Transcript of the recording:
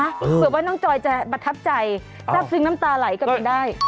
สิว่าว่าน้องจอยจะประทับใจจะซึ้งน้ำตาไหลกันได้